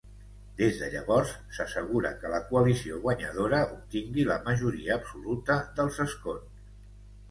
Des de llavors s'assegura que la coalició guanyadora obtingui la majoria absoluta dels escons.